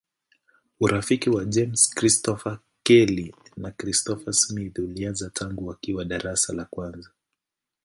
Urafiki wa James Christopher Kelly na Christopher Smith ulianza tangu wakiwa darasa la kwanza.